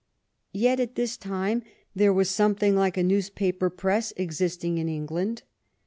Yet at this time there was something like a news paper press existing in England.